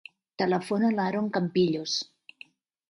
Telefona a l'Aron Campillos.